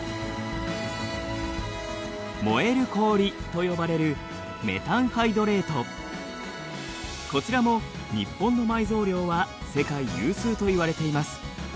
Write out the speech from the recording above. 燃える氷と呼ばれるこちらも日本の埋蔵量は世界有数といわれています。